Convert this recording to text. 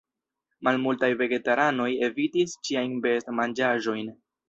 Malmultaj vegetaranoj evitis ĉiajn best-manĝaĵojn.